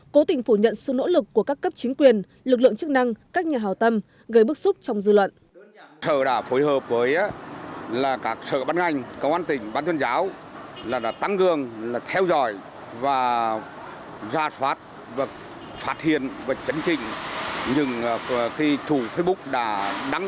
cố tình phủ nhận sự nỗ lực của các cấp chính quyền lực lượng chức năng các nhà hào tâm gây bức xúc trong dư luận